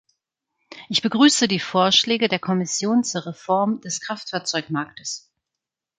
Ich begrüße die Vorschläge der Kommission zur Reform des Kraftfahrzeugmarktes.